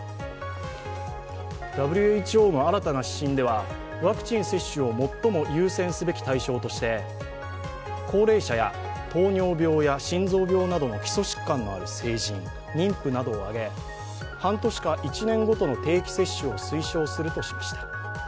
ＷＨＯの新たな指針ではワクチン接種を最も優先すべき対象として高齢者や糖尿病や心臓病などの基礎疾患のある成人、妊婦などを挙げ、半年か１年ごとの定期接種を推奨するとしました。